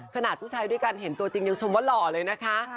ขนาดผู้ชายด้วยกันเห็นตัวจริงยังชมว่าหล่อเลยนะคะ